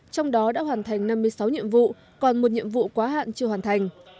trong đó đã hoàn thành năm mươi sáu nhiệm vụ còn một nhiệm vụ quá hạn chưa hoàn thành